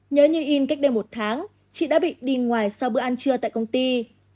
nhớ như in cách đây một tháng chị đã bị đi ngoài sau bữa ăn trưa tại công ty